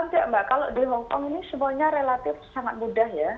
tidak mbak kalau di hongkong ini semuanya relatif sangat mudah ya